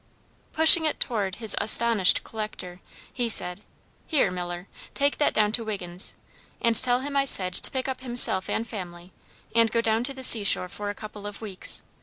Pushing it toward his astonished collector, he said: "Here, Miller, take that down to Wiggins, and tell him I said to pick up himself and family, and go down to the seashore for a couple of weeks.